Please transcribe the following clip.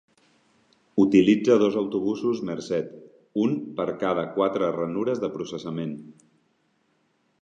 Utilitza dos autobusos Merced, un per cada quatre ranures de processament.